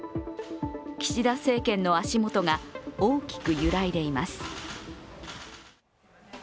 岸田政権の足元が大きく揺らいでいます。